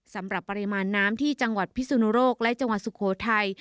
สำหรับปริมาณน้ำที่จังหวัดพิสุนโรคและจังหวัดสุโขทัย